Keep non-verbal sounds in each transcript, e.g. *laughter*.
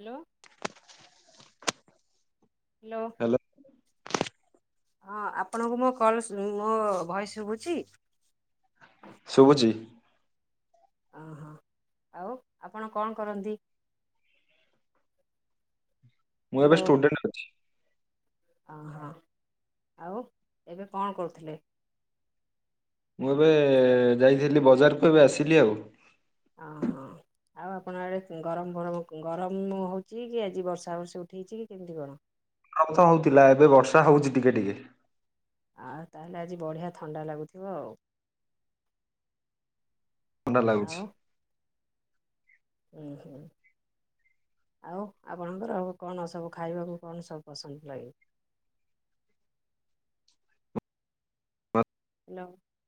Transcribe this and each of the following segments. Hello. Hello. Hello. ହଁ ଆପଣଙ୍କୁ ମୋ କଲ୍ ମୋ ଭଏସ ଶୁଭୁଛି? ଶୁଭୁଛି। ଓହୋ, ଆଉ ଆପଣ କଣ କରନ୍ତି? ମୁଁ ଏବେ ଷ୍ଟୁଡେଣ୍ଟ ଅଛି। ଓ ହୋ, ଆଉ ଏବେ କଣ କରୁଥିଲେ? ମୁଁ ଏବେ ଯାଇଥିଲି ବଜାରକୁ ଏବେ ଆସିଲି ଆଉ। ହଁ ହଁ। ଆଉ ଆପଣଙ୍କ ଆଡ଼େ ଗରମ୍-ଗରମ୍ ଗରମ ହଉଛି କି ଆଜି ବର୍ଷା ବର୍ଷି ଉଠେଇଛି କି କେମିତି କଣ? ହଉଥିଲା ଏବେ ବର୍ଷା ହଉଛି ଟିକେ ଟିକେ। ଆଉ ତାହେଲେ ଆଜି ବଢ଼ିଆ ଥଣ୍ଡା ଲାଗୁଥିବ ଆଉ। ଥଣ୍ଡା ଲାଗୁଛି। ଆଉ ହୁଁ ହୁଁ। ଆଉ ଆପଣଙ୍କର କଣ ସବୁ ଖାଇବାକୁ କଣ ସବୁ ପସନ୍ଦ ଲାଗେ?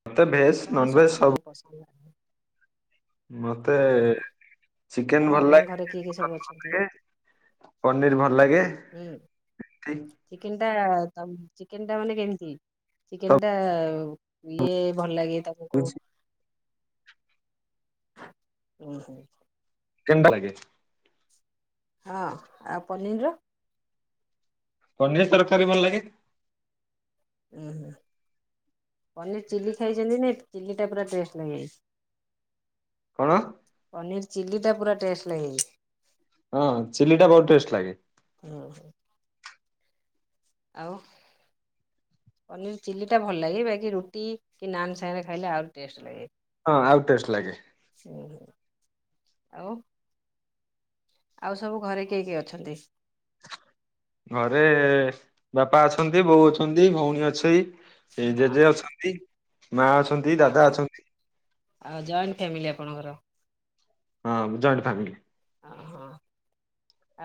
ମତେ ଭେଜ ହ୍ୟାଲୋ, ନନ ଭେଜ ସବୁ ତମକୁ ପସନ୍ଦ ଲାଗେ? ମତେ ଓହୋ ଆଉ ଚିକେନ ଭଲ ଆପଣଙ୍କ ଘରେ ଲାଗେ, କିଏ କିଏ ସବୁ ମଟନ୍ ଭଲ ଅଛନ୍ତି? ଲାଗେ ପନିର୍ ଭଲ ଲାଗେ। ହୁଁ, ସବୁ ଚିକେନ ଟା ଚିକେନ ଟା ମାନେ କେମିତି? ଚିକେନ ଟା ଇଏ ଭଲ ଲାଗେ ତାକୁ *unintelligible* ଓହୋଃ। *unintelligible* ଲାଗେ। ହଁ, ଆଉ ପନିର ର? ପନିରି ତରକାରୀ ଭଲ ଲାଗେ। ଉଁ ହୁଁ। ପନିର ଚିଲି ଖାଇଛନ୍ତି ନା? ଚିଲ୍ଲି ଟା ପୁରା ଟେଷ୍ଟ ଲାଗେ। କଣ? ପନିର ଚିଲ୍ଲି ଟା ପୁରା ଟେଷ୍ଟ ଲାଗେ। ହଁ, ଚିଲ୍ଲି ଟା ବହୁତ ଟେଷ୍ଟ ଲାଗେ। ହୁଁ ହୁଁ। ଆଉ? ପନିର ଚିଲ୍ଲି ଟା ଭଲ ଲାଗେ ବାକି ରୁଟି କି ନାନ୍ ସାଙ୍ଗେ ଖାଇଲେ ଆହୁରି ଟେଷ୍ଟ ଲାଗେ। ହଁ, ଆଉ ଟେଷ୍ଟ ଲାଗେ। ସେଇ ଆଉ? ଆଉ ସବୁ ଘରେ କିଏ କିଏ ଅଛନ୍ତି? ଘରେ ବାପା ଅଛନ୍ତି, ବୋଉ ଅଛନ୍ତି, ଭଉଣୀ ଅଛି। ଏଇ ଜେଜେ ଅଛନ୍ତି, ମା ଅଛନ୍ତି, ଦାଦା ଓହୋ ଅଛନ୍ତି। ଆଉ ଜଏଣ୍ଟ ଫ୍ୟାମିଲି ଆପଣଙ୍କର? ହଁ, ଜଏଣ୍ଟ ଫ୍ୟାମିଲି। ଓହୋଃ,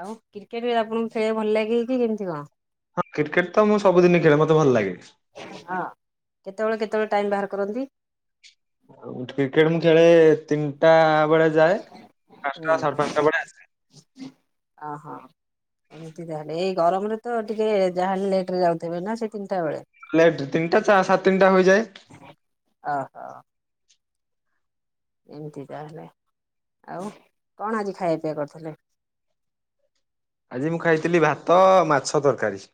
ଆଉ କ୍ରିକେଟ ବି ଆପଣଙ୍କୁ ଖେଳିବାକୁ ଭଲ ଲାଗିଲ କି କେମିତି କଣ? ହଁ, କ୍ରିକେଟ ତ ମୁଁ ସବୁଦିନ ଖେଳେ ମତେ ଭଲ ଲାଗେ। ହଁ, କେତେବେଳେ କେତେବେଳେ ଟାଇମ ବାହାର କରନ୍ତି? ଆଉ କ୍ରିକେଟ ମୁଁ ଖେଳେ ତିନିଟା ବେଳେ ଯାଏ ପାଞ୍ଚଟା ସାଢେ ପାଞ୍ଚଟା ବେଳେ ଆସେ। ଅ ହଁ। ଏମିତି ତାହେଲେ। ଏଇ ଗରମରେ ତ ଟିକେ ଯାହାହେଲେ ଲେଟ ରେ ଯାଉଥିବେ ନା ସେ ତିନିଟା ବେଳେ? ଲେଟ୍ ତିନିଟା ସାଢ଼େ ତିନଟା ହୋଇଯାଏ। ଅହଃ। ଏମିତି ତାହେଲେ। ଆଉ କଣ ଆଜି ଖାଇବା ପିଇବା କରୁଥିଲେ? ଆଜି ମୁଁ ଖାଇଥିଲି ଭାତ, ମାଛ ତରକାରୀ।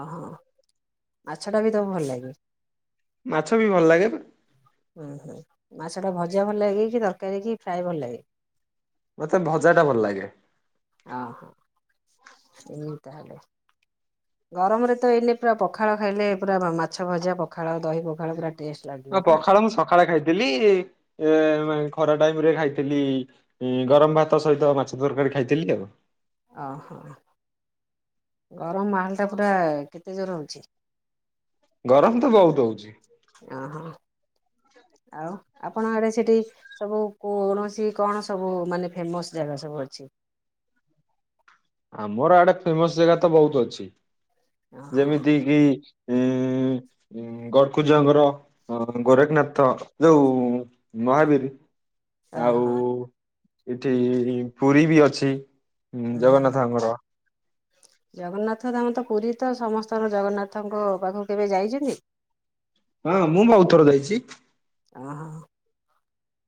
ଓହୋଃ, ମାଛ ଟା ବି ତମକୁ ଭଲ ଲାଗେ? ମାଛ ବି ଭଲ ଲାଗେ। ହୁଁ ହୁଁ, ମାଛଟା ଭଜା ଭଲ ଲାଗେ କି ତରକାରୀ କି ଫ୍ରାଏ ଭଲ ଲାଗେ? ମତେ ଭଜା ଟା ଭଲ ଲାଗେ। ଓହୋ ଏଇ ତାହଲେ। ଗରମରେ ତ ଏଇନେ ପୁରା ପଖାଳ ଖାଇଲେ ପୁରା ମାଛ ଭଜା ପଖାଳ ଦହି ପଖାଳ ପୁରା ଟେଷ୍ଟ ହଁ, ଲାଗିବ ନା ପଖାଳ ମୁଁ ସକାଳେ ଖାଇଥିଲି ଏ ଖରା ଟାଇମ ରେ ଖାଇଥିଲି। ହୁ ଗରମ ଭାତ ସହିତ ମାଛ ତରକାରୀ ଖାଇଥିଲି ଆଉ। ଓହୋ। ଗରମ ମାହାଲ ଟା ପୁରା କେତେ ଜୋର ହଉଛି? ଗରମ ତ ବହୁତ ହଉଛିି। ଓହୋ ଆଉ ଆପଣ ଆଡେ ସେଠି ସବୁ କୌଣସି କଣ ସବୁ ମାନେ ଫେମସ୍ ଜାଗା ସବୁ ଅଛି? ଆମର ଆଡେ ଫେମସ ଜାଗା ତ ବହୁତ ଅଛି ଓହୋ ଯେମିତି କି ଉଁ *unintelligible* ଗଡ଼ଖୁଜଙ୍କର ଗୋରେଖନାଥ ଯୋଉ ମହାବୀର ଆଉ ଓହୋ ଏଠି ପୁରୀ ବି ଅଛି। ଉଁ, ହଁ। ଜଗନ୍ନାଥଙ୍କର। ଜଗନ୍ନାଥ ଧାମ ତ ପୁରୀ ତ ସମସ୍ତଙ୍କ ଜଗନ୍ନାଥଙ୍କ ପାଖକୁ କେବେ ଯାଇଛନ୍ତି? ହଁ ମୁଁ ବହୁତ ଥର ଯାଇଛି। ଓ ହୋ।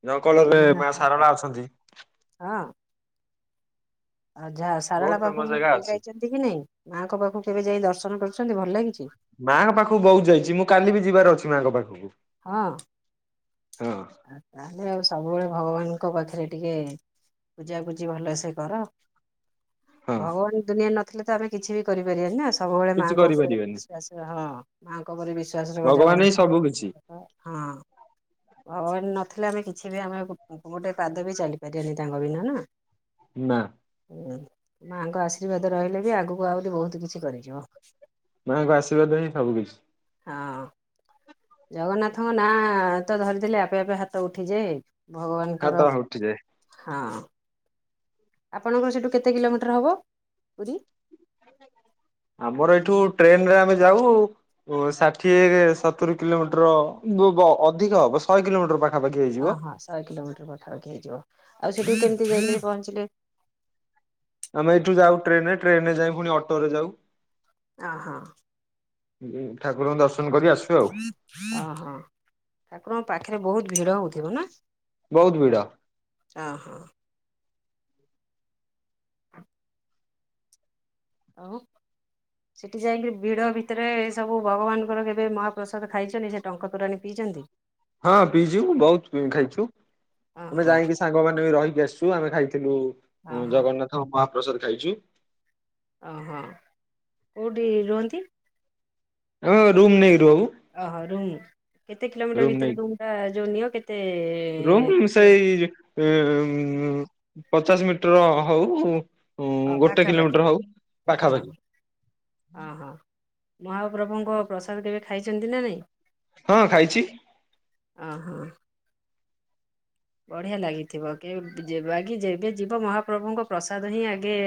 *unintelligible* ମା ସାରଳା ପାଖକୁ ଅଛନ୍ତି। ହଁ। ଆଉ ଯାହା ବହୁତ ସାରଳା ଫେମସ ଜାଗା ପାଖକୁବେ ଅଛି। ଯାଇଛନ୍ତି କି ନାଇଁ ମାଆଙ୍କ ପାଖକୁ କେବେ ଯାଇ ଦର୍ଶନ କରୁଛନ୍ତି ଭଲ ଲାଗିଛି? ମାଆଙ୍କ ପାଖକୁ ବହୁତ ଯାଇଛି ମୁଁ କାଲି ବି ଯିବାର ଅଛି ମାଆଙ୍କ ପାଖକୁ। ହଁ। ହଁ। ଆଉ ତାହେଲେ ଆଉ ସବୁବେଳେ ଭଗବାନଙ୍କ ପାଖରେ ଟିକେ ପୂଜା ପୁଜି ଭଲସେ କର। ହଁ ଭଗବାନ ଦୁନିଆରେ ନଥିଲେ ତ ଆମେ କିଛି ବି କରିପାରିବାନି ନା ସବୁବେଳେ କିଛି ମାଆଙ୍କ ଉପରେ କରିପାରିବେନି ବିଶ୍ଵାସ ହଁ ମାଙ୍କ ଉପରେ ବିଶ୍ଵାସ ର ଭଗବାନ ହିଁ ଜଗନ୍ନାଥ ସବୁ କିଛି ବିଶଵାସ ହଁ ହଁ ନଥିଲେ ଆମେ କିଛି ବି ଆମେ ଗୋଟେ ପାଦ ବି ଚାଲିପାରିବାନି ତାଙ୍କ ବିନା ନା। ନା। ହ ମାଆଙ୍କ ଆଶୀର୍ବାଦ ରହିଲେ ବି ଆଗକୁ ଆହୁରି ବହୁତ କିଛି କରିଯିବ। ମାଆଙ୍କ ଆଶୀର୍ଦ ହିଁ ସବୁ କିିଛି। ହଁ। ଜଗନ୍ନାଥଙ୍କ ନାଁ ତ ଧରିଥିଲେ ଆପେ ଆପେ ହାତ ଉଠିଯାଏ ହାତ ଭଗବାନଙ୍କର। ଉଠିଯାଏ। ହଁ। ଆପଣଙ୍କର ସେଇଠୁ କେତେ କିଲୋମିଟର ହେବ ପୁରୀ? ଆମର ଏଇଠୁ ଟ୍ରେନ ରେ ଆମେ ଯାଉ। ଓ ଷାଠିଏ ସତୁରି କିଲୋମିଟର ଅଧିକ ହବ ଶହେ କିଲୋମିଟର ପାଖ ଓହଁ ଶହେ କିଲୋମିଟର ପାଖା ପାଖି ହେଇଯିବ ଆଉ ସେଠି କେମିତି ଯାଇ *unintelligible* ଆମେ ଏଇଠୁ ଯାଉ ଟ୍ରେନ ରେ ଟ୍ରେନରେ ଯାଇ ପୁଣି ଅଟୋ ରେ ଯାଉ। ହଁ ହଁ। ହଁ ଠାକୁରଙ୍କୁ ଦର୍ଶନ କରି ଆସୁ ଆଉ ଓ ହଁ ଠାକୁରଙ୍କ ପାଖରେ ବହୁତ ଭିଡ ହଉଥିବ ନା? ବହୁତ ଭିଡ। ହଁ। ଆଉ। ସେଠି ଯାଇକି ଭିଡ ଭିତରେ ଏ ସବୁ ଭଗବାନଙ୍କର କେବେ ମହାପ୍ରସାଦ ଖାଇଚନ୍ତି ସେଠ ଟଙ୍କା ତୋରାଣି ପିଇଚନ୍ତି? ହଁ ପିଇଚୁ ବହୁତ ଖାଇଚୁ ତମେ ଓହୋ ଯାଇକି ସାଙ୍ଗମାନେ ବି ରହିକି ଆସିଚୁ। ଆମେ ଖାଇଥିଲୁ ଓହୋ ଜଗନ୍ନାଥ ମହାପ୍ରସାଦ ଖାଇଚୁ। ଓହୋ। କେଉଁଠି ରୁହନ୍ତି? ହଁ ରୁମ ନେଇ ରୁଅଉ। ଓହୋ ରୁମ୍ କେତେ କିଲୋମିଟର ଭିତରେ ରୁମ୍ ଟା ଯୋଉ ନିଅ କେତେ ରୁ କେତେ ସେଇ ଇଇଇ ଏଏ ଉମମ ପଚାଶ ମିଟର ହଉ ହଁ ଅ ଗୋଟେ ପାଖାପାଖି କିଲୋମିଟର ହଉ ପାଖାପାଖି। ଅ ହଁ ମହାପ୍ରଭୁଙ୍କ ପ୍ରସାଦ କେବେ ଖାଇଚନ୍ତି ନା ନାଇଁ? ହଁ ଖାଇଚି। ଓହୋ। ବଢ଼ିଆ ଲାଗିଥିବ କି ଆଗେ ଯେବେ ଯିବ ମହାପ୍ରଭୁଙ୍କ ପ୍ରସାଦ ହିଁ ଆଗେ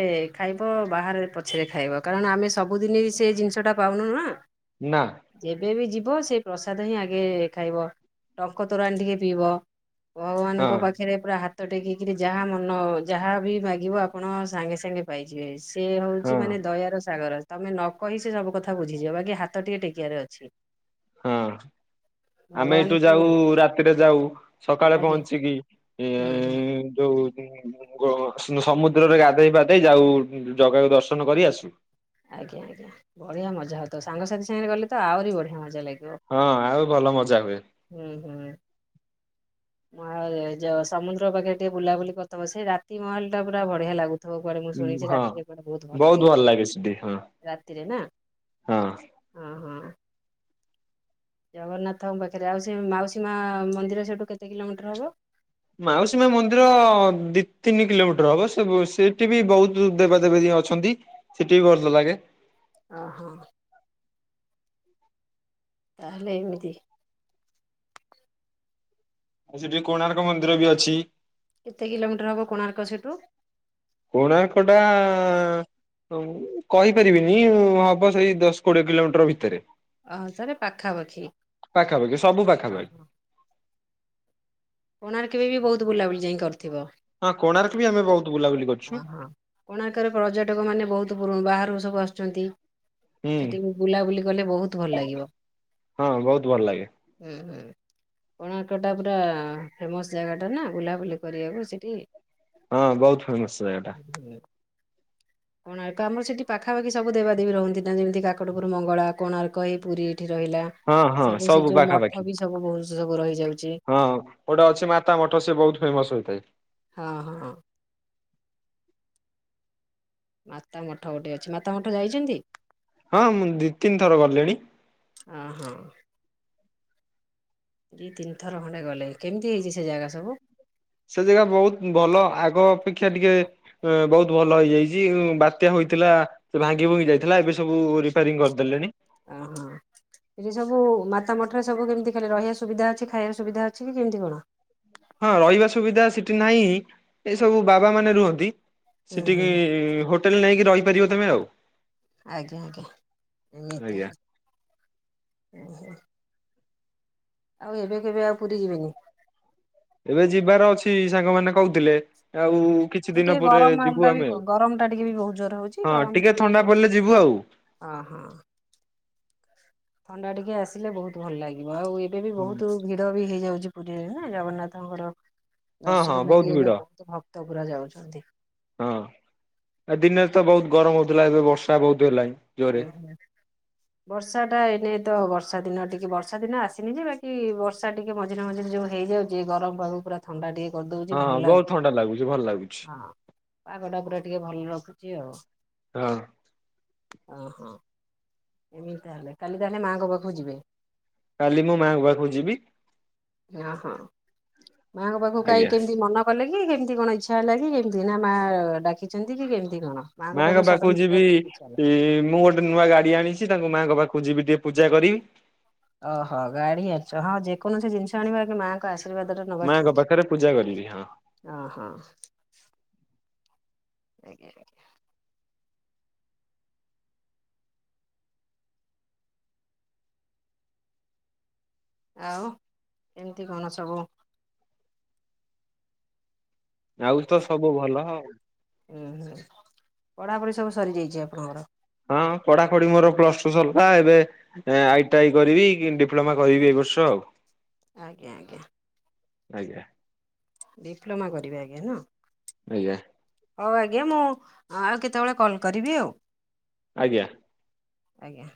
ଖାଇବ ବାହାରେ ପଛରେ ଖାଇବ କାରଣ ଆମେ ସବୁଦିନ ସେ ଜିନିଷଟା ପାଉନୁ ନା। ନା। ଯେବେବ ଯିବ ସେଇ ପ୍ରସାଦ ହିଁ ଆଗେ ଖାଇବ ଟଙ୍କ ତୋରାଣି ଟିକେ ପିଇବ। ଭଗବାନଙ୍କ ହଁ ପାଖରେ ପାଖରେ ପୁରା ହାତ ଟେକିକିରି ଯାହା ମନ ଯାହା ବି ମାଗିବ ଆପଣ ସାଙ୍ଗେ ସାଙ୍ଗେ ପାଇଯିବେ। ସେ ହଁ ହଉଚି ମାନେ ଦୟାର ସାଗର ତମେ ନ କହି ସିଏ ସବୁ କଥା ବୁଝିଯିବ ବାକି ହାତ ଟିକେ ଟେକିଆରେ ଅଛି। ହଁ ଆମେ ଏଇଠୁ ଭଗବାନଙ୍କୁ ଯାଉ ରାତିରେ ଯାଉ। ସକାଳେ ଆଜ୍ଞା ପହଞ୍ଚିକି ଏ ହୁଁ ହୁଁ ଯୋଉ ସମୁଦ୍ରରେ ଗାଧେଇ ପାଧେଇ ଯାଉ ଜଗାକୁ ଦର୍ଶନ କରି ଆସୁ। ଆଜ୍ଞା ଆଜ୍ଞା ବଢିଆ ମଜା ହଉ ତ ସାଙ୍ଗସାଥି ସାଙ୍ଗରେ ଗଲେ ତ ଆହୁରି ବଢିଆ ମଜା ଲାଗିବ। ହଁ ଆଉ ଭଲ ମଜା ହୁଏ। ହୁଁ ହୁଁ। ମ ସମୁଦ୍ର ପାଖରେ ଟିକେ ବୁଲାବୁଲି କରଥାବ ସେଇ ରାତି ମହଲ ଟା ପୁରା ବଢିଆ ଲାଗୁ ଥିବ କୁଆଡେ ମୁଁ ଶୁଣିଚି ହଁ ରାତିରେ କୁଆଡେ ବହୁତ ଭଲ ଲାଗେ ରାତିରେ ନା। ହଁ ଅଁ ହଁ। ଜଗନ୍ନାଥ ଙ୍କ ପାଖରେ। ଅଉ ସେଇ ମାଉସୀ ମା ମନ୍ଦିର ସେଇଠୁ କେତେ କିଲୋମିଟର ହବ? ମାଉସୀ ମା ମନ୍ଦିର ଦି ତିନି କିଲୋମିଟର ହବ ସେ ସେଠି ବି ବହୁତ ଦେବାଦେବି ଅଛନ୍ତି। ସେଠି ବି ଭଲଲାଗେ। ଓହୋ। ତାହାଲେ ଏମିତି। ଆଉ ସେଠି କୋଣାର୍କ ମନ୍ଦିର ବି ଅଛି। କେତେ କିଲୋମିଟର ହବ କୋଣାର୍କ ସେଠୁ? କୋଣାର୍କ ଟା ଆଁ ହ କହିପାରିବିନି ହବ ସେଇ ଦଶ କୋଡିଏ କିଲୋମିଟର ଭିତରେ। ଓହୋ ତାହେଲେ ପାଖାପାଖି ପାଖାପାଖି ସବୁ ପାଖାପାଖି। ଓହୋ କୋଣରେ କେବେ ବି ବହୁତ ବୁଲାବୁଲି ଯାଇଁ କରିଥିବ। ହଁ କୋଣାର୍କ ବି ଆମେ ବହୁତ ବୁଲାୁବୁଲି ଓହୋ କୋଣକରେ ପର୍ଯ୍ୟଟକ ମାନେ ବହୁତ ପୁରୁ ବାହାରୁ ସବୁ ଆସୁଚନ୍ତି। ହୁଁ ସେଠି ବୁଲାବୁଲି କଲେ ବହୁତ ଭଲ ଲାଗିବ ହଁ ବହୁତ ଭଲ ଲାଗେ ହୁଁ ହୁଁ। କୋଣାର୍କଟା ପୁରା ଫେମସ ଜାଗା ଟା ନା ବୁଲାବୁଲି କରିବାକୁ ସେଇଠି। ହଁ ବହୁତ ଫେମସ ଜାଗାଟା *inaudible* କୋଣାର୍କ ଆମର ସେଠି ପାଖାପାଖି ସବୁ ଦେବାଦବୀ ରୁହନ୍ତି ନା ଯେମିତି କାକଟପୁରୁ ମଙ୍ଗଳା, କୋଣାର୍କ ହେଇ ପୁରୀ ଏଠି ରହିଲା ହଁ ହଁ ସବୁ ସେ ଯଉ ପାଖାପାଖି ମଠ ବି ସବୁ ବହୁତ୍ ସବୁ ରହିଯାଉଚି। ହଁ ଗୋଟେ ଅଛି ମାତା ମଠ ସିଏ ବହୁତ୍ ଫେମସ୍ ହେଇଥାଏ। ହଁ -ହଁ। ମାତା ମଠ ଗୋଟେ ଅଛି ମାତା ମଠ ଯାଇଚନ୍ତି? ହଁ ମୁଁ ଦି ତିନି ଥର ଗଲିଣି। ଅ- ହଁ। ଦି ତିନି ଥର ଖଣ୍ଡେ ଗଲେଣି କେମିତି ହେଇଚି ସେ ଜାଗା ସବୁ? ସେ ଜାଗା ବହୁତ୍ ଭଲ ଆଗ ଅପେକ୍ଷା ଟିକେ ବହୁତ୍ ଭଲ ହେଇଯାଇଚି। ଜି ବାତ୍ୟା ହୋଇଥିଲା ସେ ଭାଙ୍ଗି ଭୁଙ୍ଗି ଯାଇଥିଲା ଏବେ ସବୁ ରିପ୍ୟାରିଙ୍ଗ୍ କରିଦେଲେଣି। ଆ- ହଁ। ଏଠି ସବୁ ମାତା ମଠରେ ସବୁ କେମିତି ଖାଲି ରହିବା ସୁବିଧା ଅଛି ଖାଇବାର ସୁବିଧା ଅଛି କି କେମିତି କଣ? ହଁ ରହିବା ସୁବିଧା ସେଠି ନାହିଁ ଏଇସବୁ ବାବା ମାନେ ରୁହନ୍ତି। ହୁଁ ହୁଁ ସେଠିକି ହୋଟେଲ୍ ନେଇକି ରହିପାରିବ ତମେ ଆଉ। ଆଜ୍ଞା ଆଜ୍ଞା ଏମିତି ଆଜ୍ଞା। ହିଁ *unintelligible* ଆଉ ଏବେ କେବେ ଆଉ ପୁରୀ ଯିବେନି? ଏବେ ଯିବାର ଅଛି ସାଙ୍ଗମାନେ କହୁଥିଲେ। ଉଁ ଆଉ ହୁଁ। କିଛି ଦିନ ଟିକେ ପରେ ଗରମ ଯିବୁ ମାଲଟା ବି ଆମେ ଆଉ ଗରମ ଟା ଟିକେ ବି ବହୁତ ଜୋର ହଉଛି ହଁ ଟିକେ ଥଣ୍ଡା ପଡିଲେ ଯିବୁ ଆଉ। ଅଁ- ହଁ। ଥଣ୍ଡା ଟିକେ ଆସିଲେ ବହୁତ୍ ଭଲ ଲାଗିବ ଆଉ ଏବେ ବି ବହୁତୁ ଭିଡ ବି ହେଇଯାଉଚି ପୁରୀରେ ନା ଜଗନ୍ନାଥଙ୍କର ହଁ ହଁ ଦର୍ଶନ ବହୁତ ଲାଗି ଏବେ ଭିଡ଼ ବହୁତ ଭକ୍ତ ପୁରା ଯାଉଚନ୍ତି। ହଁ, ଏ ଦିନରେ ତ ବହୁତ୍ ଗରମ ହଉଥିଲା ଏବେ ବର୍ଷା ବହୁତ୍ ହେଲାଣି। ଜୋରେ *inaudible* ବର୍ଷା ଟା ଏନେ ତ ବର୍ଷା ଦିନ ଟିକେ ବର୍ଷା ଦିନ ଆସିନି ଯେ ବାକି ବର୍ଷା ଟିକେ ମଝିରେ ମଝିରେ ଯଉ ହେଇଯାଉ ଚି ଗରମ୍ ପାଗକୁ ପୁରା ଥଣ୍ଡା ଟିକେ କରିଦଉଚି ଭଲ ଲାଗୁଚି ପୁରା। ଭଲ୍ ଲାଗୁଚି। ହଁ ପାଗଟା ପୁରା ଟିକେ ଭଲ ରଖୁଚି ଆଉ। ହଁ। ଓ ହଁ। ଏମିତି ତାହେଲେ କାଲି ତାହେଲେ ମାଙ୍କ ପାଖକୁ ଯିବେ? କାଲି ମୁଁ ମାଆଙ୍କ ପାଖକୁ ଯିବି ଓ -ହଁ ମା ଙ୍କ ପାଖକୁ କାହିଁ ଆଜ୍ଞା କେମିତି ମନ କଲେ କି କେମିତି କଣ ଇଚ୍ଛା ହେଲା କି କେମିତି ନା ମା ଡାକିଚନ୍ତି କି କେମିତି କଣ? ମାଆଙ୍କ ମା ଙ୍କ ପାଖକୁ ସଡନ ଯିବି ଯିବାକୁ କେମିତି ଇଚ୍ଛା ହେଲା? ମୁଁ ଗୋଟ୍ ଗୋଟ ନୂଆ ଗାଡି ଆଣିଚି ତାଙ୍କୁ ମାଙ୍କ ପାଖକୁ ଯିବିି ଟିକେ ପୂଜା କରିବି। ଓହୋ ଗାଡି ଆଣିଚ ହଁ ଯେକୌଣସି ଜିନିଷ ଆଣିବ ଆଗେ ମାଆଙ୍କ ଆଶୀର୍ବାଦ ରୁ ମା ଙ୍କ ପାଖେରେ ପୂଜା କରିବି ହଁ। ଅ-ହଁ। ଆଜ୍ଞା -ଆଜ୍ଞା। ଆଉ କେମିତି କଣ ସବୁ ଆଉ ତ ସବୁ ଭଲ ଆଉ। ଉଁ -ହୁଁ ପଢାପଢି ସବୁ ସରି ଯାଇଚି ଆପଣଙ୍କର? ହଁ ପଢା ପଢି ମୋର ପ୍ଲସଟୁ ସରିଲା ଏବେ ଆଇ ଟି ଆଇ କରିବି କି ଡିପ୍ଲୋମା କରିବି ଏଇ ବର୍ଷ ଆଉ। ଆଜ୍ଞା ଆଜ୍ଞା। ଆଜ୍ଞା। ଡିପ୍ଲୋମା କରିବେ ଆଜ୍ଞା ନା? ଆଜ୍ଞ। ହୋଉ ଆଜ୍ଞା ମୁଁ ଆ ଆଉ କେତେବେଳେ କଲ୍ କରିବି ଆଉ। ଆଜ୍ଞା। ଆଜ୍ଞା।